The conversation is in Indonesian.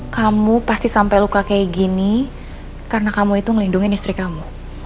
kamu pasti sampai luka kayak gini karena kamu itu ngelindungi istri kamu